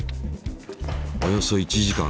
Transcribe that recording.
およそ１時間。